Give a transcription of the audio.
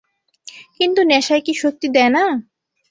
কিন্তু নেশায় কি শক্তি দেয় না?